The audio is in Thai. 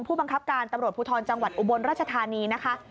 ผู้บังคับการตำรวจภูทรจังหวัดอุบลราชธานีนะคะ